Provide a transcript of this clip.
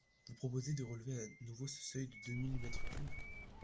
Vous proposez de relever à nouveau ce seuil à deux mille mètres cubes.